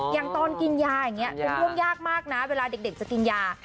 อย่างตอนกินยาอย่างนี้เป็นเรื่องยากมากนะเวลาเด็กจะกินยา